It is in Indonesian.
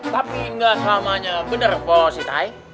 tapi nggak samanya benar bos itai